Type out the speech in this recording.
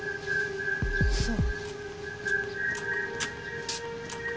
そう。